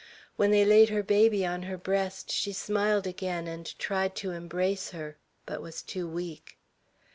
When they laid her baby on her breast, she smiled again, and tried to embrace her, but was too weak.